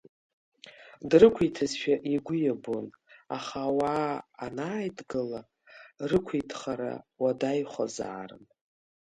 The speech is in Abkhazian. Дрықәиҭызшәа игәы иабон, аха ауаа анааидгыла рықәиҭхара уадаҩхозаарын.